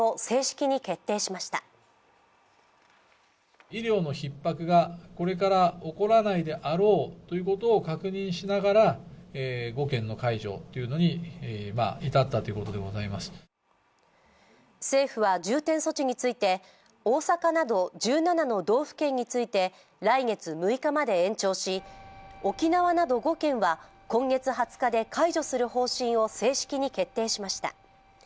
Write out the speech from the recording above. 政府は重点措置について、大阪など１７の道府県について来月６日まで延長し、沖縄など５県は今月２０日で解除する方針を正式に決定しました。